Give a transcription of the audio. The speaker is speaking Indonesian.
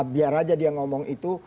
biar aja dia ngomong itu